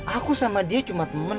aku sama dia cuma temen